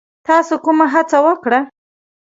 تاسو کومه هڅه وکړه؟